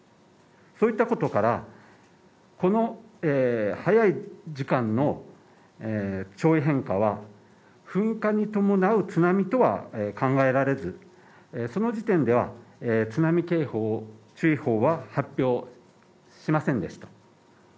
そういったことからこの早い時間の潮位変化は、噴火に伴う津波とは考えられずその時点では津波警報注意報は発表しませんでした。